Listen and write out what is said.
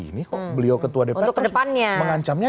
ini kok beliau ketua dp terus mengancamnya